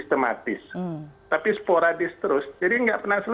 setengah absolument ter specialize di portugal